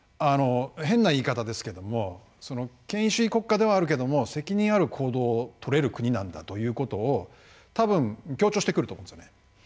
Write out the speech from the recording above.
変な言い方ですけど権威主義国家ではあるけれども責任ある行動を取れる国なんだということを多分、強調してくると思うんですよね。